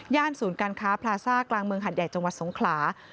ศูนย์การค้าพลาซ่ากลางเมืองหัดใหญ่จังหวัดสงขลา